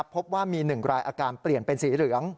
พบว่ามี๑รายอาการเปลี่ยนเป็นสีเหลือง